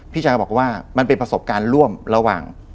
อาจารย์ก็บอกว่ามันเป็นประสบการณ์ร่วมระหว่าง